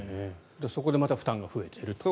そこでまた負担が増えていると。